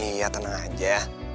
iya tenang aja